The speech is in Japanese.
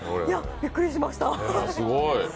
びっくりしました。